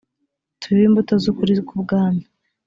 tubibe imbuto z ukuri k ubwami